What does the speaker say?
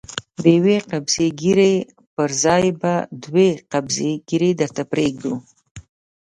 د يوې قبضې ږيرې پر ځای به دوې قبضې ږيره درته پرېږدو.